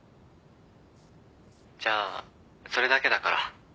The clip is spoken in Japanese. じゃあそれだけだから。